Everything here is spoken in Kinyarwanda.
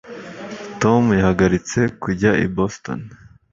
tom yahagaritse kujya i boston